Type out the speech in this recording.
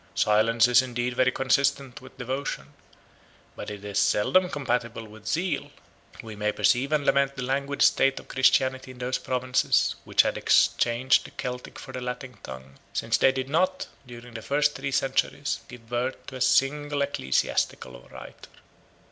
173 Silence is indeed very consistent with devotion; but as it is seldom compatible with zeal, we may perceive and lament the languid state of Christianity in those provinces which had exchanged the Celtic for the Latin tongue, since they did not, during the three first centuries, give birth to a single ecclesiastical writer.